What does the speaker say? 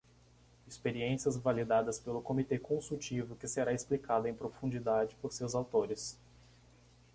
Experiências validadas pelo comitê consultivo que será explicado em profundidade por seus autores.